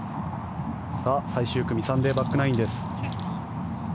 最終組サンデーバックナインです。